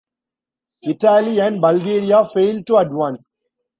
Italy and Bulgaria failed to advance.